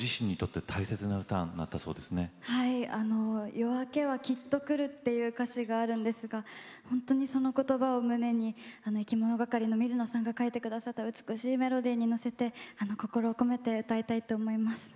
「夜明けはきっと来る」っていう歌詞があるんですがほんとにその言葉を胸にいきものがかりの水野さんが書いて下さった美しいメロディーにのせて心を込めて歌いたいと思います。